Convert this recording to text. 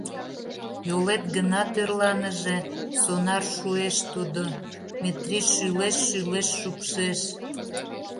— Йолет гына тӧрланыже, сонар шуэш тудо, — Метрий шӱлешт-шӱлешт шупшеш.